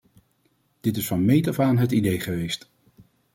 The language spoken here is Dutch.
Dit is van meet af aan het idee geweest.